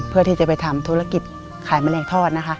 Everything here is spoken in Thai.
เพื่อที่จะไปทำธุรกิจขายแมลงทอดนะคะ